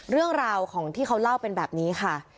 เรื่องราวของที่เขาเล่าเป็นแบบนี้ค่ะ